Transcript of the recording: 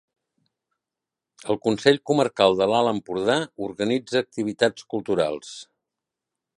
El Consell Comarcal de l'Alt Empordà organitza activitats culturals.